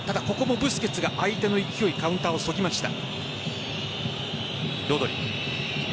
ブスケツが相手の勢いカウンターをそぎました。